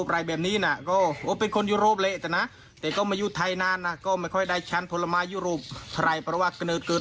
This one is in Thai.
เดี่ยวจะชิมให้บน